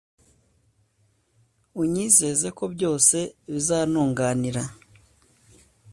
unyizeze ko byose bizantunganira